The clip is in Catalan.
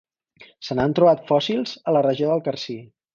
Se n'han trobat fòssils a la regió del Carcí.